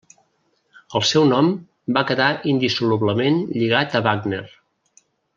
El seu nom va quedar indissolublement lligat a Wagner.